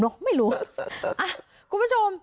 น้องไม่รู้